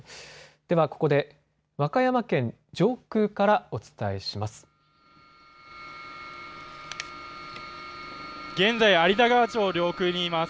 ではここで和歌山県上空からお伝えします。